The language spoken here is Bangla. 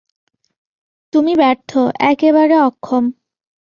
তুমি ব্যর্থ, একেবারে অক্ষম।